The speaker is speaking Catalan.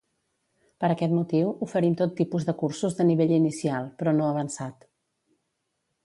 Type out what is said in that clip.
Per aquest motiu, oferim tot tipus de cursos de nivell inicial, però no avançat.